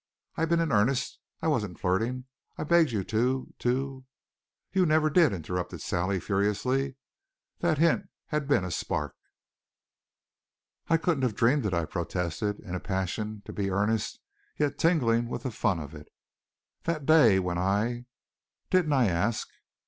I've been in earnest. I wasn't flirting. I begged you to to..." "You never did," interrupted Sally furiously. That hint had been a spark. "I couldn't have dreamed it," I protested, in a passion to be earnest, yet tingling with the fun of it. "That day when I didn't I ask..."